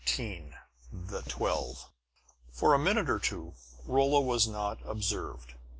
XIII THE TWELVE For a minute or two Rolla was not observed.